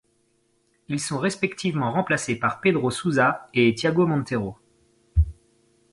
Ils sont respectivement remplacés par Pedro Sousa et Thiago Monteiro.